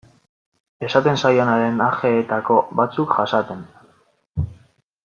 Esaten zaionaren ajeetako batzuk jasaten.